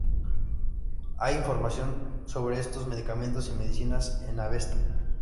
Hay información sobre estos medicamentos y medicinas en Avesta.